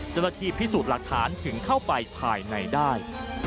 จะละทีพิสูจน์หลักฐานถึงเข้าไปภายในได้